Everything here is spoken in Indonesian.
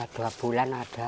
dua bulan ada